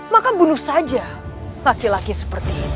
maka bunuh saja laki laki seperti ini